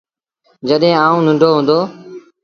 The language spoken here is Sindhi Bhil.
جڏهيݩ آئوٚݩ ننڍو هُݩدو۔